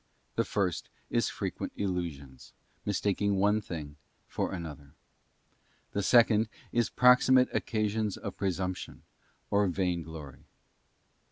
The first is frequent illusions, mistaking one thing for another. The second is proximate occasions of _presomption or vain glory.